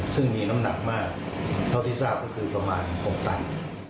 ซึ่งมีน้ำหนักมากเท่าที่ทราบก็คือประมาณ๖ตัน